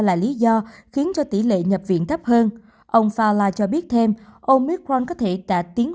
là lý do khiến cho tỷ lệ nhập viện thấp hơn ông fala cho biết thêm ông micron có thể đã tiến